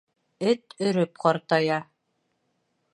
Эт өрөп ҡартая